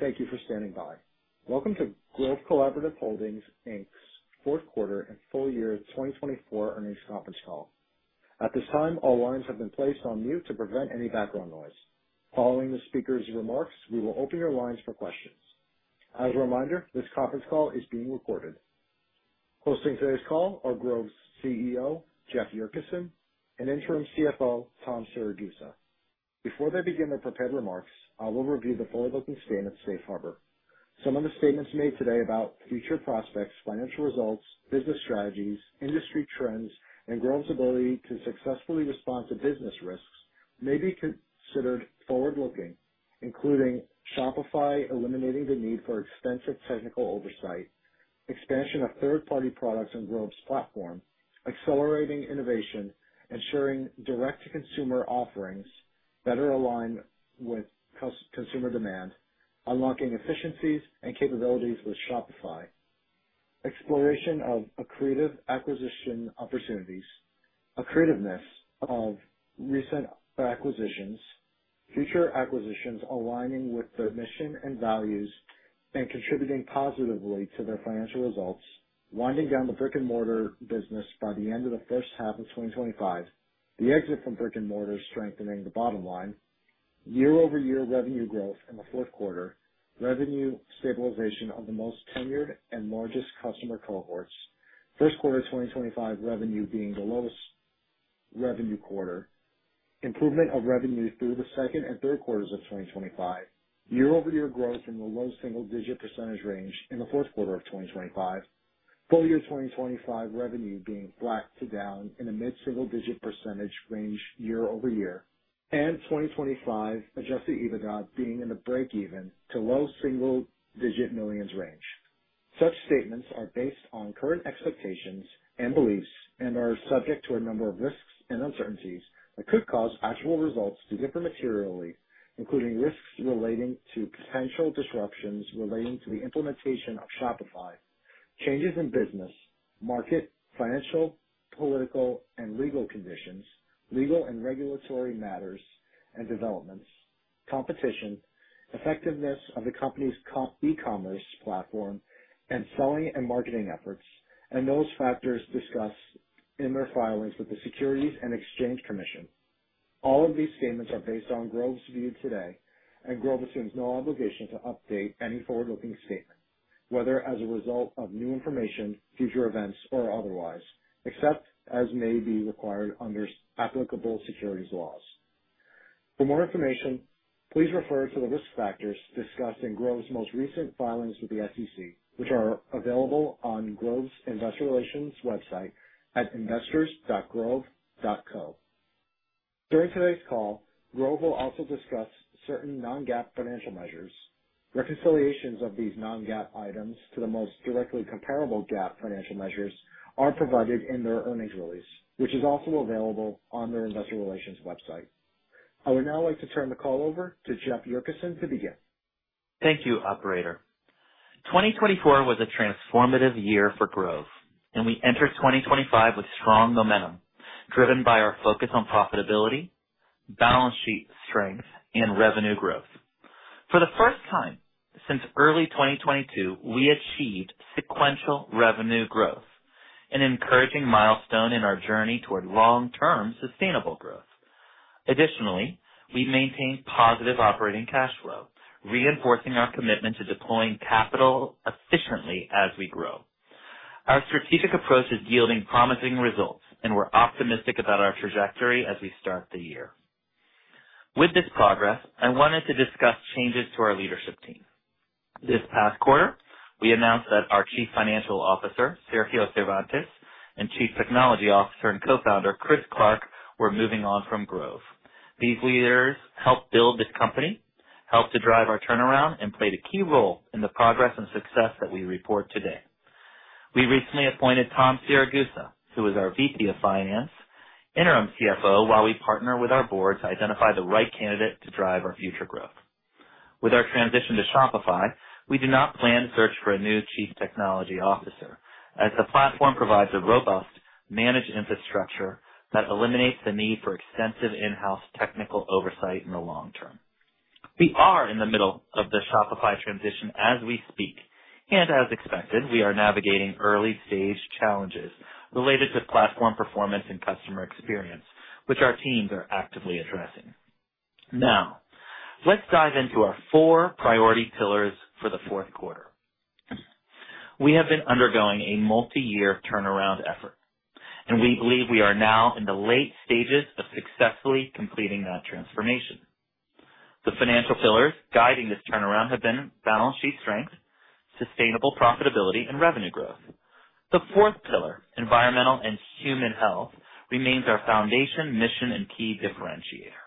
Thank you for standing by. Welcome to Grove Collaborative Holdings' fourth quarter and full year 2024 earnings conference call. At this time, all lines have been placed on mute to prevent any background noise. Following the speaker's remarks, we will open your lines for questions. As a reminder, this conference call is being recorded. Hosting today's call are Grove's CEO, Jeff Yurcisin, and Interim CFO, Tom Siragusa. Before they begin their prepared remarks, I will review the full opening statement of Safe Harbor. Some of the statements made today about future prospects, financial results, business strategies, industry trends, and Grove's ability to successfully respond to business risks may be considered forward-looking, including Shopify eliminating the need for extensive technical oversight, expansion of third-party products on Grove's platform, accelerating innovation, ensuring direct-to-consumer offerings better align with consumer demand, unlocking efficiencies and capabilities with Shopify, exploration of accretive acquisition opportunities, accretiveness of recent acquisitions, future acquisitions aligning with their mission and values, and contributing positively to their financial results, winding down the brick-and-mortar business by the end of the first half of 2025. The exit from brick-and-mortar strengthening the bottom line, year-over-year revenue growth in the fourth quarter, revenue stabilization of the most tenured and largest customer cohorts, first quarter 2025 revenue being the lowest revenue quarter, improvement of revenue through the second and third quarters of 2025, year-over-year growth in the low single-digit percentage range in the fourth quarter of 2025, full year 2025 revenue being flat to down in the mid-single-digit percentage range year-over-year, and 2025 adjusted EBITDA being in the break-even to low single-digit millions range. Such statements are based on current expectations and beliefs and are subject to a number of risks and uncertainties that could cause actual results to differ materially, including risks relating to potential disruptions relating to the implementation of Shopify, changes in business, market, financial, political, and legal conditions, legal and regulatory matters and developments, competition, effectiveness of the company's e-commerce platform, and selling and marketing efforts, and those factors discussed in their filings with the Securities and Exchange Commission. All of these statements are based on Grove's view today, and Grove assumes no obligation to update any forward-looking statement, whether as a result of new information, future events, or otherwise, except as may be required under applicable securities laws. For more information, please refer to the risk factors discussed in Grove's most recent filings with the SEC, which are available on Grove's Investor Relations website at investors.grove.co. During today's call, Grove will also discuss certain non-GAAP financial measures. Reconciliations of these non-GAAP items to the most directly comparable GAAP financial measures are provided in their earnings release, which is also available on their Investor Relations website. I would now like to turn the call over to Jeff Yurcisin to begin. Thank you, Operator. 2024 was a transformative year for Grove, and we entered 2025 with strong momentum driven by our focus on profitability, balance sheet strength, and revenue growth. For the first time since early 2022, we achieved sequential revenue growth, an encouraging milestone in our journey toward long-term sustainable growth. Additionally, we maintain positive operating cash flow, reinforcing our commitment to deploying capital efficiently as we grow. Our strategic approach is yielding promising results, and we're optimistic about our trajectory as we start the year. With this progress, I wanted to discuss changes to our leadership team. This past quarter, we announced that our Chief Financial Officer, Sergio Cervantes, and Chief Technology Officer and Co-founder, Chris Clark, were moving on from Grove. These leaders helped build this company, helped to drive our turnaround, and played a key role in the progress and success that we report today. We recently appointed Tom Siragusa, who is our VP of Finance, interim CFO, while we partner with our board to identify the right candidate to drive our future growth. With our transition to Shopify, we do not plan to search for a new Chief Technology Officer, as the platform provides a robust managed infrastructure that eliminates the need for extensive in-house technical oversight in the long term. We are in the middle of the Shopify transition as we speak, and as expected, we are navigating early-stage challenges related to platform performance and customer experience, which our teams are actively addressing. Now, let's dive into our four priority pillars for the fourth quarter. We have been undergoing a multi-year turnaround effort, and we believe we are now in the late stages of successfully completing that transformation. The financial pillars guiding this turnaround have been balance sheet strength, sustainable profitability, and revenue growth. The fourth pillar, environmental and human health, remains our foundation, mission, and key differentiator.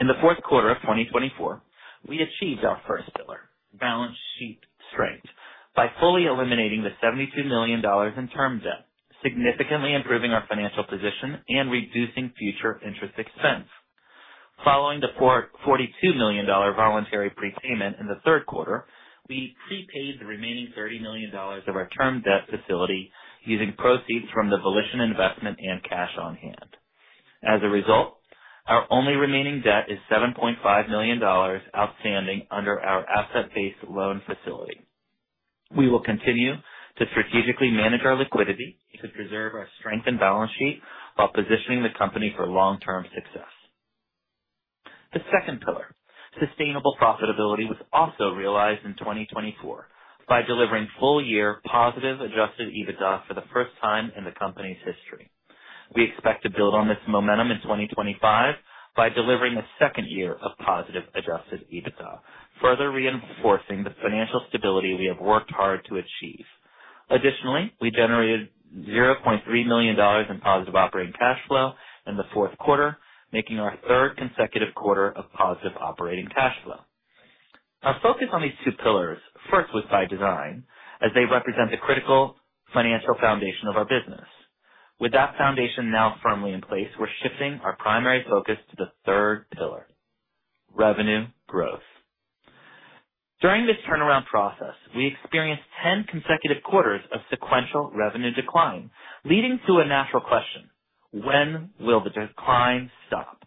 In the fourth quarter of 2024, we achieved our first pillar, balance sheet strength, by fully eliminating the $72 million in term debt, significantly improving our financial position and reducing future interest expense. Following the $42 million voluntary prepayment in the third quarter, we prepaid the remaining $30 million of our term debt facility using proceeds from the Volition Beauty investment and cash on hand. As a result, our only remaining debt is $7.5 million outstanding under our asset-based loan facility. We will continue to strategically manage our liquidity to preserve our strength and balance sheet while positioning the company for long-term success. The second pillar, sustainable profitability, was also realized in 2024 by delivering full-year positive adjusted EBITDA for the first time in the company's history. We expect to build on this momentum in 2025 by delivering a second year of positive adjusted EBITDA, further reinforcing the financial stability we have worked hard to achieve. Additionally, we generated $0.3 million in positive operating cash flow in the fourth quarter, making our third consecutive quarter of positive operating cash flow. Our focus on these two pillars first was by design, as they represent the critical financial foundation of our business. With that foundation now firmly in place, we're shifting our primary focus to the third pillar, revenue growth. During this turnaround process, we experienced 10 consecutive quarters of sequential revenue decline, leading to a natural question: when will the decline stop?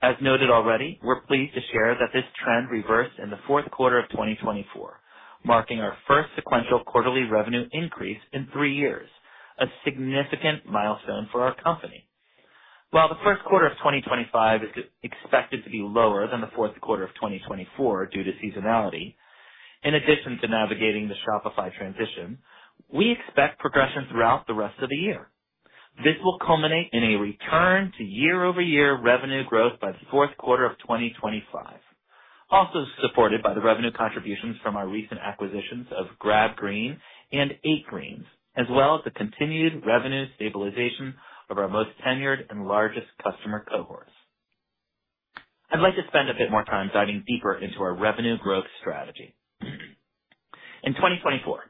As noted already, we're pleased to share that this trend reversed in the fourth quarter of 2024, marking our first sequential quarterly revenue increase in three years, a significant milestone for our company. While the first quarter of 2025 is expected to be lower than the fourth quarter of 2024 due to seasonality, in addition to navigating the Shopify transition, we expect progression throughout the rest of the year. This will culminate in a return to year-over-year revenue growth by the fourth quarter of 2025, also supported by the revenue contributions from our recent acquisitions of Grab Green and 8Greens, as well as the continued revenue stabilization of our most tenured and largest customer cohorts. I'd like to spend a bit more time diving deeper into our revenue growth strategy. In 2024,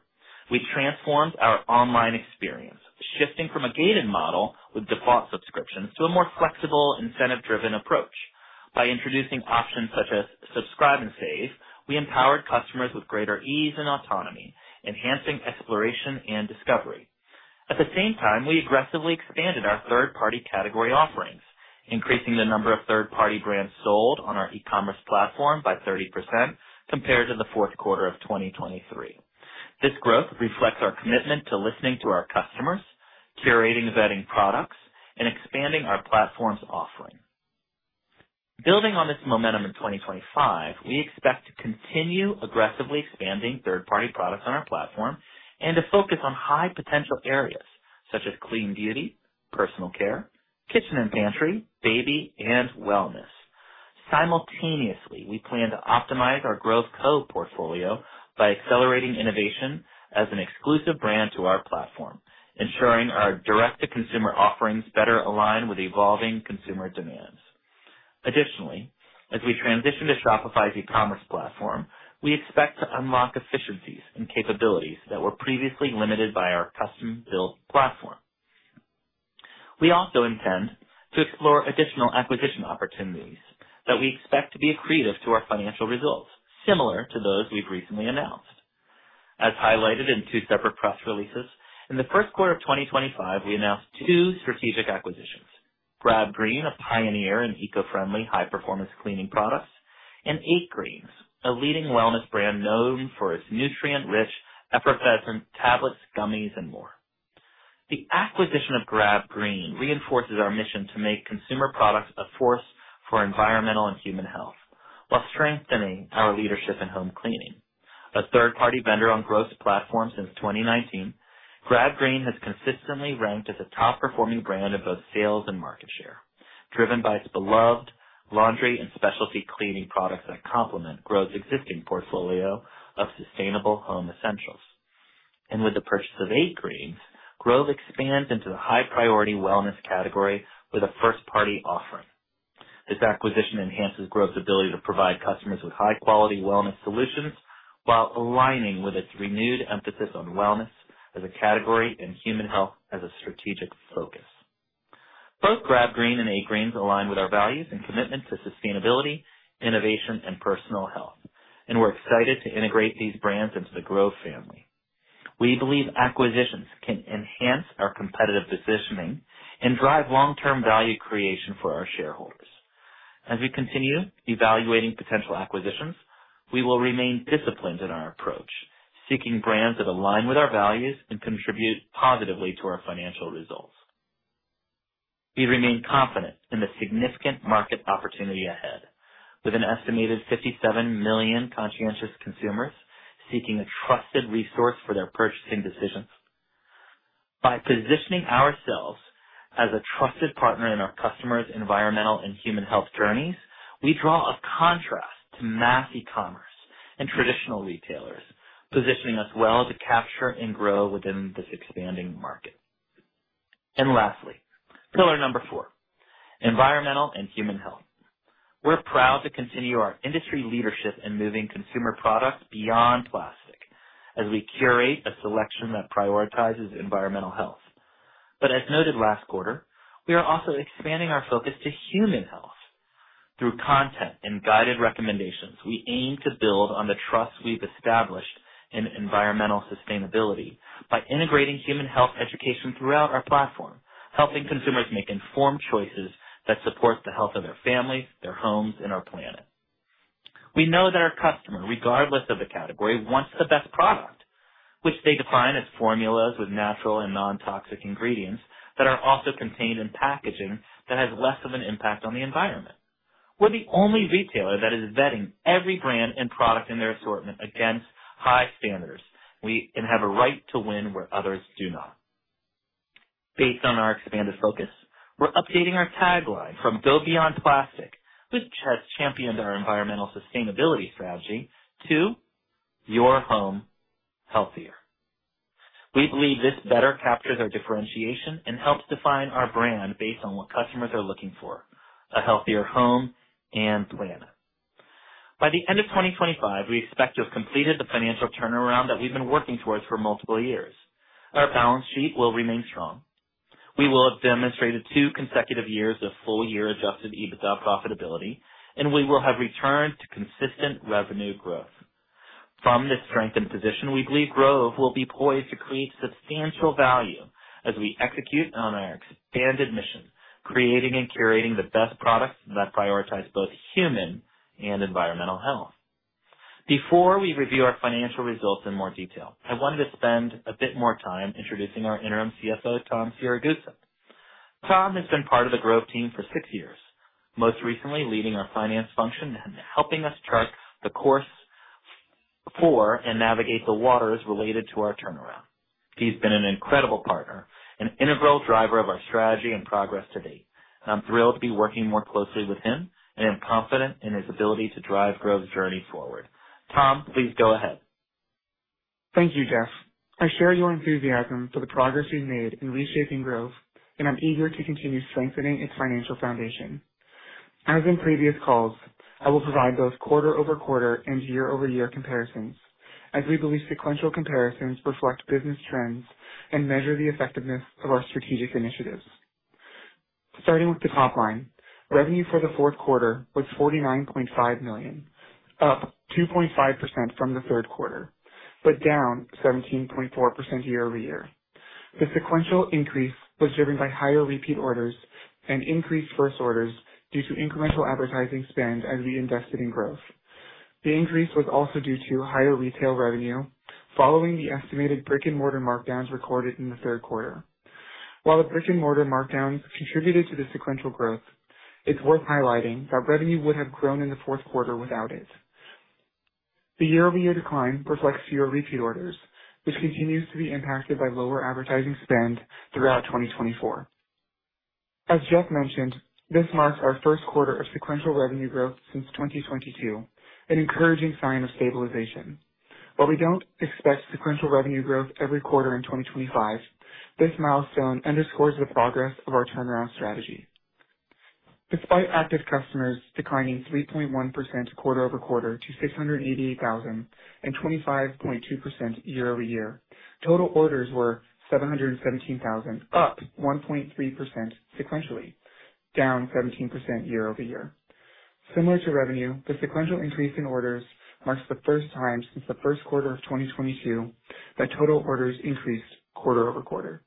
we transformed our online experience, shifting from a gated model with default subscriptions to a more flexible, incentive-driven approach. By introducing options such as Subscribe and Save, we empowered customers with greater ease and autonomy, enhancing exploration and discovery. At the same time, we aggressively expanded our third-party category offerings, increasing the number of third-party brands sold on our e-commerce platform by 30% compared to the fourth quarter of 2023. This growth reflects our commitment to listening to our customers, curating vetted products, and expanding our platform's offering. Building on this momentum in 2025, we expect to continue aggressively expanding third-party products on our platform and to focus on high-potential areas such as clean beauty, personal care, kitchen and pantry, baby, and wellness. Simultaneously, we plan to optimize our Grove Co portfolio by accelerating innovation as an exclusive brand to our platform, ensuring our direct-to-consumer offerings better align with evolving consumer demands. Additionally, as we transition to Shopify's e-commerce platform, we expect to unlock efficiencies and capabilities that were previously limited by our custom-built platform. We also intend to explore additional acquisition opportunities that we expect to be accretive to our financial results, similar to those we've recently announced. As highlighted in two separate press releases, in the first quarter of 2025, we announced two strategic acquisitions: Grab Green, a pioneer in eco-friendly, high-performance cleaning products, and 8Greens, a leading wellness brand known for its nutrient-rich, effervescent tablets, gummies, and more. The acquisition of Grab Green reinforces our mission to make consumer products a force for environmental and human health while strengthening our leadership in home cleaning. A third-party vendor on Grove's platform since 2019, Grab Green has consistently ranked as a top-performing brand in both sales and market share, driven by its beloved laundry and specialty cleaning products that complement Grove's existing portfolio of sustainable home essentials. With the purchase of 8Greens, Grove expands into the high-priority wellness category with a first-party offering. This acquisition enhances Grove's ability to provide customers with high-quality wellness solutions while aligning with its renewed emphasis on wellness as a category and human health as a strategic focus. Both Grab Green and 8Greens align with our values and commitment to sustainability, innovation, and personal health, and we're excited to integrate these brands into the Grove family. We believe acquisitions can enhance our competitive positioning and drive long-term value creation for our shareholders. As we continue evaluating potential acquisitions, we will remain disciplined in our approach, seeking brands that align with our values and contribute positively to our financial results. We remain confident in the significant market opportunity ahead, with an estimated 57 million conscientious consumers seeking a trusted resource for their purchasing decisions. By positioning ourselves as a trusted partner in our customers' environmental and human health journeys, we draw a contrast to mass e-commerce and traditional retailers, positioning us well to capture and grow within this expanding market. Lastly, pillar number four, environmental and human health. We're proud to continue our industry leadership in moving consumer products beyond plastic as we curate a selection that prioritizes environmental health. As noted last quarter, we are also expanding our focus to human health. Through content and guided recommendations, we aim to build on the trust we've established in environmental sustainability by integrating human health education throughout our platform, helping consumers make informed choices that support the health of their families, their homes, and our planet. We know that our customer, regardless of the category, wants the best product, which they define as formulas with natural and non-toxic ingredients that are also contained in packaging that has less of an impact on the environment. We're the only retailer that is vetting every brand and product in their assortment against high standards, and have a right to win where others do not. Based on our expanded focus, we're updating our tagline from Go Beyond Plastic, which has championed our environmental sustainability strategy, to Your Home Healthier. We believe this better captures our differentiation and helps define our brand based on what customers are looking for: a healthier home and planet. By the end of 2025, we expect to have completed the financial turnaround that we've been working towards for multiple years. Our balance sheet will remain strong. We will have demonstrated two consecutive years of full-year adjusted EBITDA profitability, and we will have returned to consistent revenue growth. From this strengthened position, we believe Grove will be poised to create substantial value as we execute on our expanded mission, creating and curating the best products that prioritize both human and environmental health. Before we review our financial results in more detail, I wanted to spend a bit more time introducing our Interim CFO, Tom Siragusa. Tom has been part of the Grove team for six years, most recently leading our finance function and helping us chart the course for and navigate the waters related to our turnaround. He's been an incredible partner, an integral driver of our strategy and progress to date, and I'm thrilled to be working more closely with him, and I'm confident in his ability to drive Grove's journey forward. Tom, please go ahead. Thank you, Jeff. I share your enthusiasm for the progress you've made in reshaping Grove, and I'm eager to continue strengthening its financial foundation. As in previous calls, I will provide both quarter-over-quarter and year-over-year comparisons, as we believe sequential comparisons reflect business trends and measure the effectiveness of our strategic initiatives. Starting with the top line, revenue for the fourth quarter was $49.5 million, up 2.5% from the third quarter, but down 17.4% year-over-year. The sequential increase was driven by higher repeat orders and increased first orders due to incremental advertising spend as we invested in Grove. The increase was also due to higher retail revenue following the estimated brick-and-mortar markdowns recorded in the third quarter. While the brick-and-mortar markdowns contributed to the sequential growth, it's worth highlighting that revenue would have grown in the fourth quarter without it. The year-over-year decline reflects fewer repeat orders, which continues to be impacted by lower advertising spend throughout 2024. As Jeff mentioned, this marks our first quarter of sequential revenue growth since 2022, an encouraging sign of stabilization. While we don't expect sequential revenue growth every quarter in 2025, this milestone underscores the progress of our turnaround strategy. Despite active customers declining 3.1% quarter-over-quarter to 688,000 and 25.2% year-over-year, total orders were 717,000, up 1.3% sequentially, down 17% year-over-year. Similar to revenue, the sequential increase in orders marks the first time since the first quarter of 2022 that total orders increased quarter-over-quarter.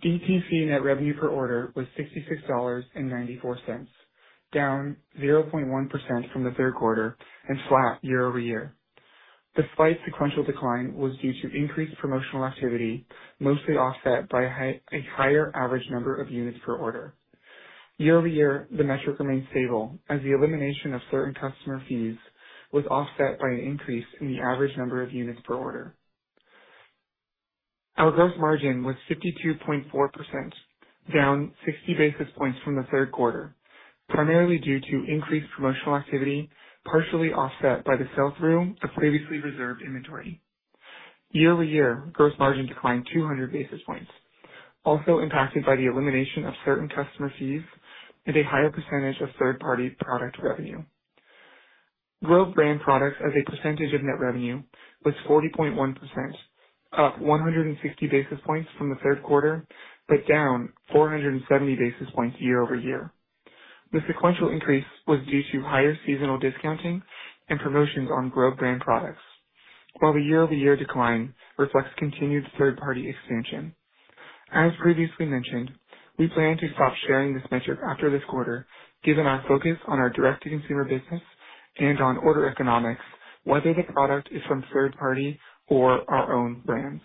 DTC net revenue per order was $66.94, down 0.1% from the third quarter and flat year-over-year. Despite sequential decline, it was due to increased promotional activity, mostly offset by a higher average number of units per order. Year-over-year, the metric remained stable, as the elimination of certain customer fees was offset by an increase in the average number of units per order. Our gross margin was 52.4%, down 60 basis points from the third quarter, primarily due to increased promotional activity, partially offset by the sell-through of previously reserved inventory. Year-over-year, gross margin declined 200 basis points, also impacted by the elimination of certain customer fees and a higher percentage of third-party product revenue. Grove brand products as a percentage of net revenue was 40.1%, up 160 basis points from the third quarter, but down 470 basis points year-over-year. The sequential increase was due to higher seasonal discounting and promotions on Grove brand products, while the year-over-year decline reflects continued third-party expansion. As previously mentioned, we plan to stop sharing this metric after this quarter, given our focus on our direct-to-consumer business and on order economics, whether the product is from third-party or our own brands.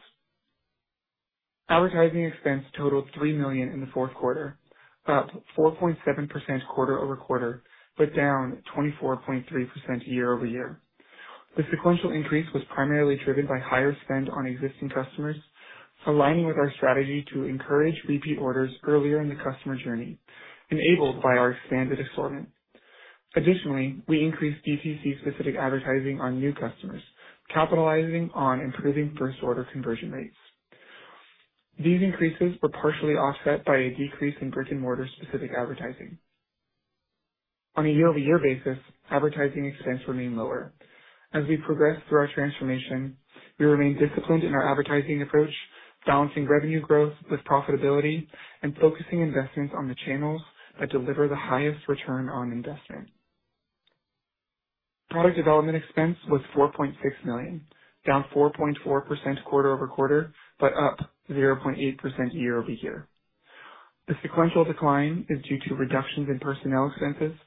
Advertising expense totaled $3 million in the fourth quarter, up 4.7% quarter-over-quarter, but down 24.3% year-over-year. The sequential increase was primarily driven by higher spend on existing customers, aligning with our strategy to encourage repeat orders earlier in the customer journey, enabled by our expanded assortment. Additionally, we increased DTC-specific advertising on new customers, capitalizing on improving first-order conversion rates. These increases were partially offset by a decrease in brick-and-mortar specific advertising. On a year-over-year basis, advertising expense remained lower. As we progressed through our transformation, we remained disciplined in our advertising approach, balancing revenue growth with profitability and focusing investments on the channels that deliver the highest return on investment. Product development expense was $4.6 million, down 4.4% quarter-over-quarter, but up 0.8% year-over-year. The sequential decline is due to reductions in personnel expenses,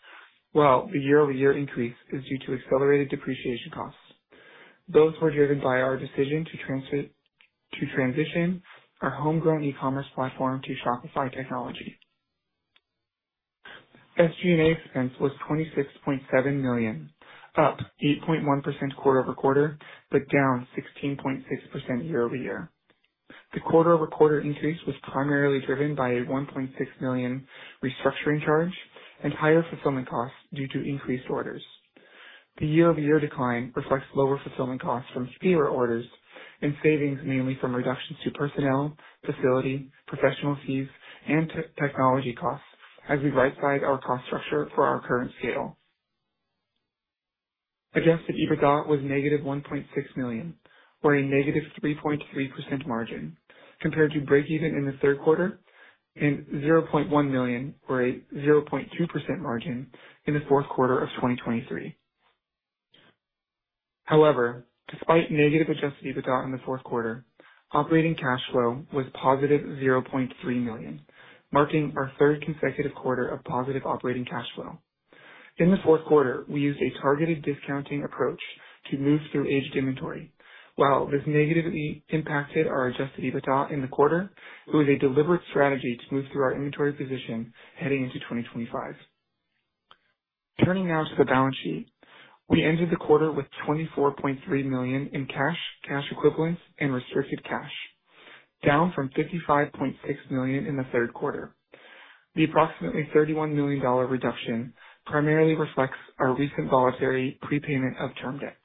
while the year-over-year increase is due to accelerated depreciation costs. Those were driven by our decision to transition our homegrown e-commerce platform to Shopify technology. SG&A expense was $26.7 million, up 8.1% quarter-over-quarter, but down 16.6% year-over-year. The quarter-over-quarter increase was primarily driven by a $1.6 million restructuring charge and higher fulfillment costs due to increased orders. The year-over-year decline reflects lower fulfillment costs from fewer orders and savings mainly from reductions to personnel, facility, professional fees, and technology costs as we right-size our cost structure for our current scale. Adjusted EBITDA was negative $1.6 million, or a negative 3.3% margin, compared to break-even in the third quarter and $0.1 million, or a 0.2% margin, in the fourth quarter of 2023. However, despite negative adjusted EBITDA in the fourth quarter, operating cash flow was positive $0.3 million, marking our third consecutive quarter of positive operating cash flow. In the fourth quarter, we used a targeted discounting approach to move through aged inventory. While this negatively impacted our adjusted EBITDA in the quarter, it was a deliberate strategy to move through our inventory position heading into 2025. Turning now to the balance sheet, we ended the quarter with $24.3 million in cash, cash equivalents, and restricted cash, down from $55.6 million in the third quarter. The approximately $31 million reduction primarily reflects our recent voluntary prepayment of term debt.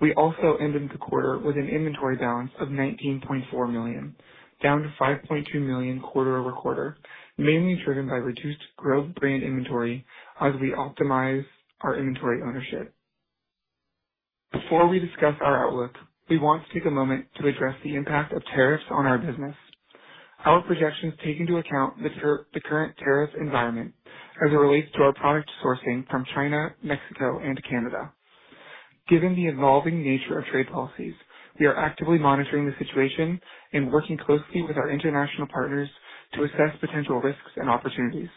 We also ended the quarter with an inventory balance of $19.4 million, down to $5.2 million quarter-over-quarter, mainly driven by reduced Grove brand inventory as we optimize our inventory ownership. Before we discuss our outlook, we want to take a moment to address the impact of tariffs on our business. Our projections take into account the current tariff environment as it relates to our product sourcing from China, Mexico, and Canada. Given the evolving nature of trade policies, we are actively monitoring the situation and working closely with our international partners to assess potential risks and opportunities.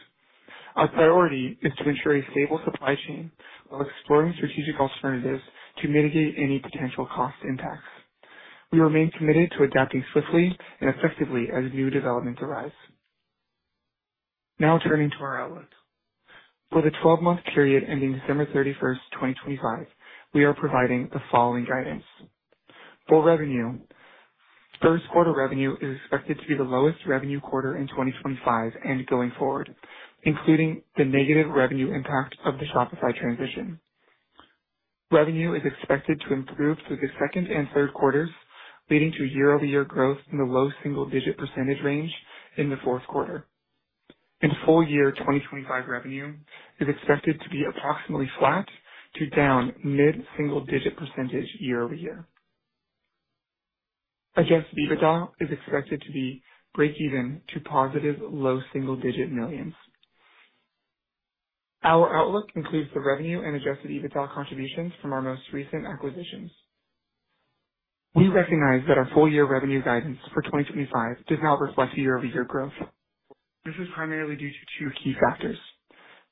Our priority is to ensure a stable supply chain while exploring strategic alternatives to mitigate any potential cost impacts. We remain committed to adapting swiftly and effectively as new developments arise. Now turning to our outlook. For the 12-month period ending December 31st, 2025, we are providing the following guidance. For revenue, first quarter revenue is expected to be the lowest revenue quarter in 2025 and going forward, including the negative revenue impact of the Shopify transition. Revenue is expected to improve through the second and third quarters, leading to year-over-year growth in the low single-digit % range in the fourth quarter. Full-year 2025 revenue is expected to be approximately flat to down mid-single-digit % year-over-year. Adjusted EBITDA is expected to be break-even to positive low single-digit millions. Our outlook includes the revenue and adjusted EBITDA contributions from our most recent acquisitions. We recognize that our full-year revenue guidance for 2025 does not reflect year-over-year growth. This is primarily due to two key factors.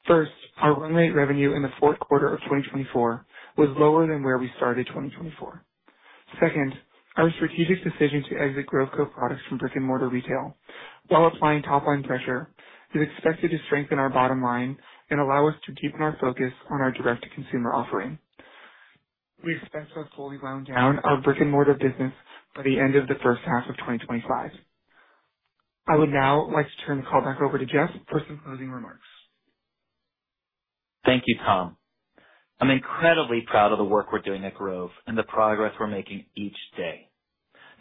First, our run-rate revenue in the fourth quarter of 2024 was lower than where we started 2024. Second, our strategic decision to exit Grove Co. products from brick-and-mortar retail, while applying top-line pressure, is expected to strengthen our bottom line and allow us to deepen our focus on our direct-to-consumer offering. We expect to have fully wound down our brick-and-mortar business by the end of the first half of 2025. I would now like to turn the call back over to Jeff for some closing remarks. Thank you, Tom. I'm incredibly proud of the work we're doing at Grove and the progress we're making each day,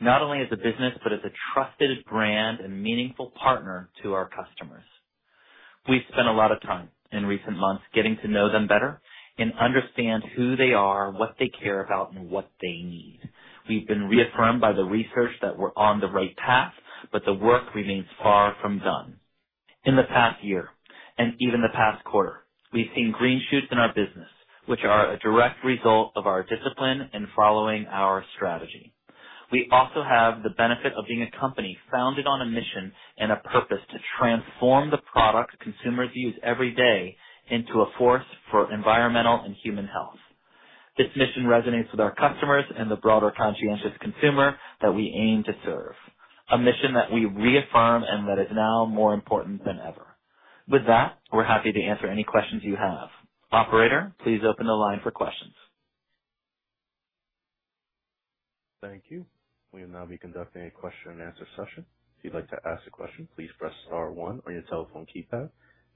not only as a business but as a trusted brand and meaningful partner to our customers. We've spent a lot of time in recent months getting to know them better and understand who they are, what they care about, and what they need. We've been reaffirmed by the research that we're on the right path, but the work remains far from done. In the past year and even the past quarter, we've seen green shoots in our business, which are a direct result of our discipline and following our strategy. We also have the benefit of being a company founded on a mission and a purpose to transform the product consumers use every day into a force for environmental and human health. This mission resonates with our customers and the broader conscientious consumer that we aim to serve, a mission that we reaffirm and that is now more important than ever. With that, we're happy to answer any questions you have. Operator, please open the line for questions. Thank you. We will now be conducting a question-and-answer session. If you'd like to ask a question, please press Star one on your telephone keypad.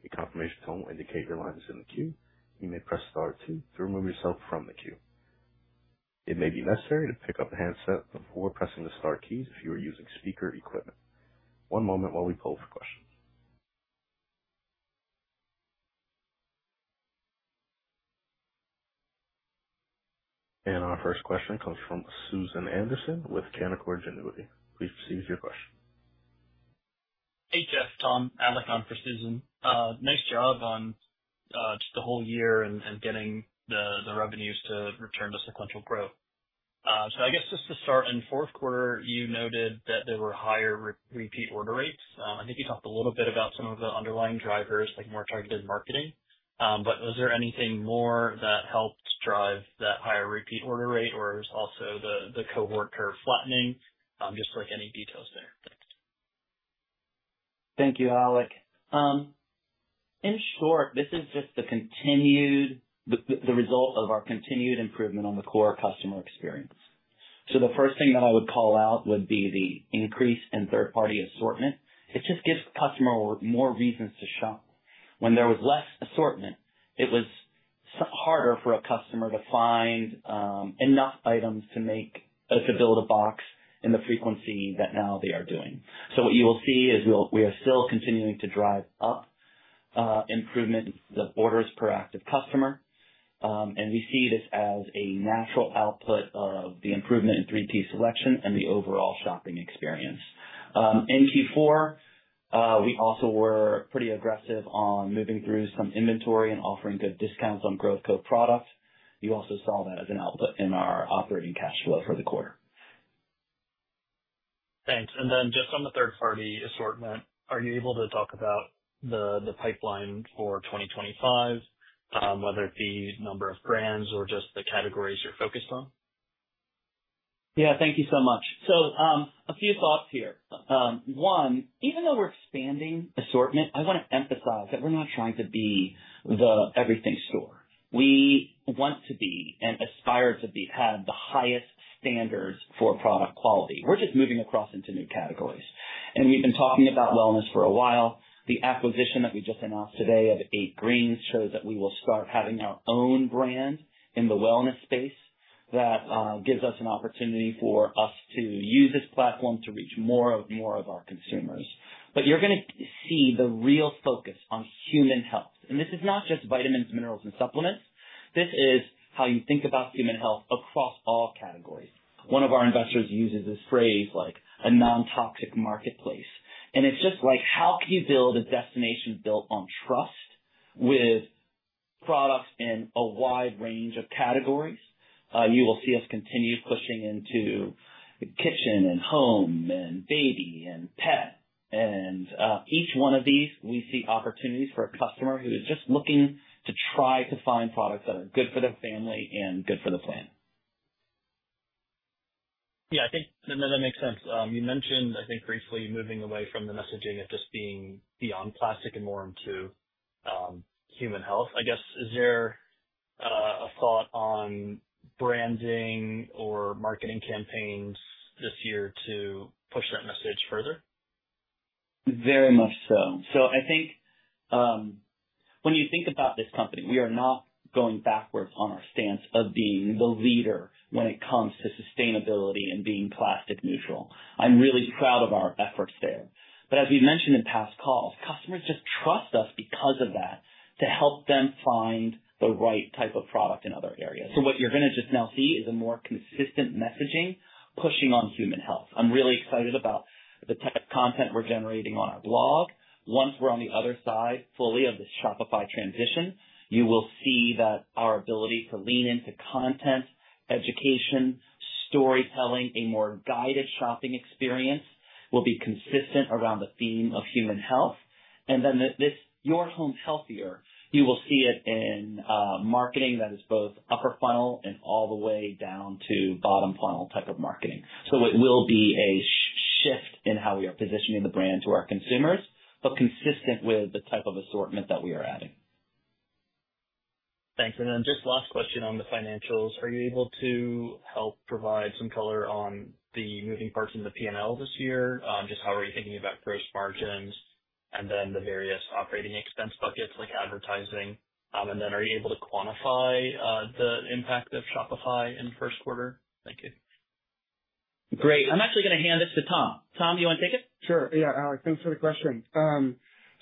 A confirmation tone will indicate your line is in the queue. You may press Star two to remove yourself from the queue. It may be necessary to pick up a handset before pressing the Star keys if you are using speaker equipment. One moment while we poll for questions. Our first question comes from Susan Kay Anderson with Canaccord Genuity. Please proceed with your question. Hey, Jeff. Alec on for Susan. Nice job on just the whole year and getting the revenues to return to sequential growth. I guess just to start, in the fourth quarter, you noted that there were higher repeat order rates. I think you talked a little bit about some of the underlying drivers, like more targeted marketing. Was there anything more that helped drive that higher repeat order rate, or was it also the cohort curve flattening? Just like any details there. Thanks. Thank you. Alec In short, this is just the result of our continued improvement on the core customer experience. The first thing that I would call out would be the increase in third-party assortment. It just gives the customer more reasons to shop. When there was less assortment, it was harder for a customer to find enough items to build a box in the frequency that now they are doing. What you will see is we are still continuing to drive up improvement in the orders per active customer. We see this as a natural output of the improvement in 3P selection and the overall shopping experience. In Q4, we also were pretty aggressive on moving through some inventory and offering good discounts on Grove Co. products. You also saw that as an output in our operating cash flow for the quarter. Thanks. Just on the third-party assortment, are you able to talk about the pipeline for 2025, whether it be number of brands or just the categories you're focused on? Yeah. Thank you so much. A few thoughts here. One, even though we're expanding assortment, I want to emphasize that we're not trying to be the everything store. We want to be and aspire to have the highest standards for product quality. We're just moving across into new categories. We've been talking about wellness for a while. The acquisition that we just announced today of 8Greens shows that we will start having our own brand in the wellness space that gives us an opportunity for us to use this platform to reach more and more of our consumers. You're going to see the real focus on human health. This is not just vitamins, minerals, and supplements. This is how you think about human health across all categories. One of our investors uses this phrase like a non-toxic marketplace. It's just like, how can you build a destination built on trust with products in a wide range of categories? You will see us continue pushing into kitchen and home and baby and pet. Each one of these, we see opportunities for a customer who is just looking to try to find products that are good for their family and good for the planet. Yeah. I think that makes sense. You mentioned, I think briefly, moving away from the messaging of just being beyond plastic and more into human health. I guess, is there a thought on branding or marketing campaigns this year to push that message further? Very much so. I think when you think about this company, we are not going backwards on our stance of being the leader when it comes to sustainability and being plastic neutral. I'm really proud of our efforts there. As we've mentioned in past calls, customers just trust us because of that to help them find the right type of product in other areas. What you're going to just now see is a more consistent messaging pushing on human health. I'm really excited about the type of content we're generating on our blog. Once we're on the other side fully of this Shopify transition, you will see that our ability to lean into content, education, storytelling, a more guided shopping experience will be consistent around the theme of human health. This Your Home Healthier, you will see it in marketing that is both upper funnel and all the way down to bottom funnel type of marketing. It will be a shift in how we are positioning the brand to our consumers, but consistent with the type of assortment that we are adding. Thanks. Just last question on the financials. Are you able to help provide some color on the moving parts in the P&L this year? Just how are you thinking about gross margins and then the various operating expense buckets like advertising? Are you able to quantify the impact of Shopify in the first quarter? Thank you. Great. I'm actually going to hand this to Tom. Tom, you want to take it? Sure. Yeah, Alec, thanks for the question.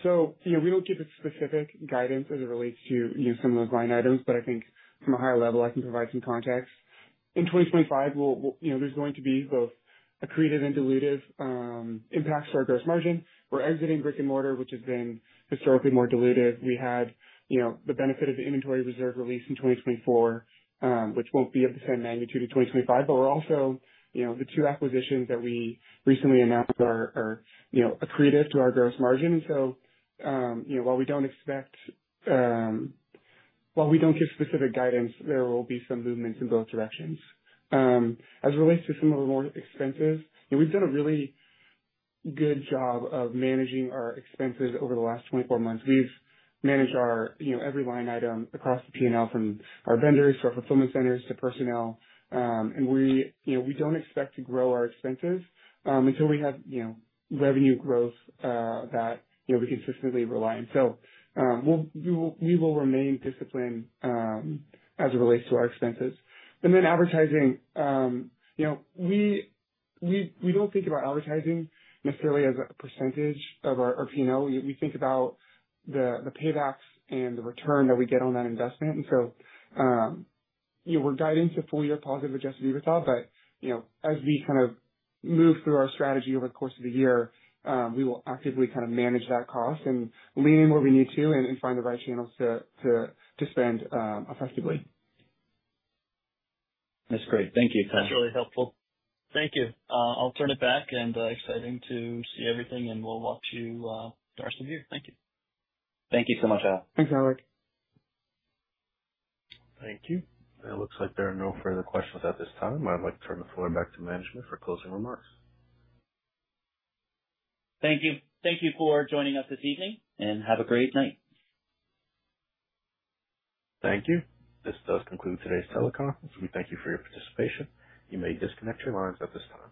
We don't give specific guidance as it relates to some of those line items, but I think from a higher level, I can provide some context. In 2025, there's going to be both an accretive and dilutive impact to our gross margin. We're exiting brick-and-mortar, which has been historically more dilutive. We had the benefit of the inventory reserve release in 2024, which won't be of the same magnitude in 2025, but also the two acquisitions that we recently announced are accretive to our gross margin. While we don't give specific guidance, there will be some movements in both directions. As it relates to some of the more expensive, we've done a really good job of managing our expenses over the last 24 months. We've managed every line item across the P&L from our vendors, our fulfillment centers, to personnel. We don't expect to grow our expenses until we have revenue growth that we consistently rely on. We will remain disciplined as it relates to our expenses. Advertising, we don't think about advertising necessarily as a percentage of our P&L. We think about the paybacks and the return that we get on that investment. We are guiding to full-year positive adjusted EBITDA, but as we kind of move through our strategy over the course of the year, we will actively kind of manage that cost and lean in where we need to and find the right channels to spend effectively. That's great. Thank you, Tom. That's really helpful. Thank you. I'll turn it back, and exciting to see everything, and we'll watch you the rest of the year. Thank you. Thank you so much. Thanks. Thank you. It looks like there are no further questions at this time. I'd like to turn the floor back to management for closing remarks. Thank you. Thank you for joining us this evening, and have a great night. Thank you. This does conclude today's teleconference, and we thank you for your participation. You may disconnect your lines at this time.